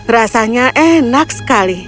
rasanya enak sekali